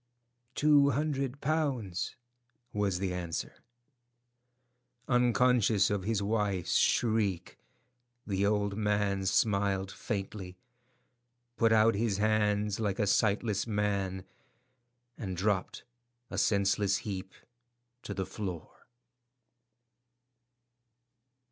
"Two hundred pounds," was the answer. Unconscious of his wife's shriek, the old man smiled faintly, put out his hands like a sightless man, and dropped, a senseless heap, to the floor.